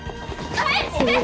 返して！